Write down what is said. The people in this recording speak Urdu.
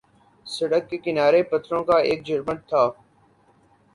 سڑک کے کنارے پتھروں کا ایک جھرمٹ تھا